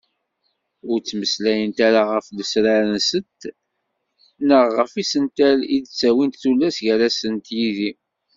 Ur ttmeslayent ara ɣef lesrar-nsent neɣ ɣef yisental i d-ttawint tullas gar-asent yid-i.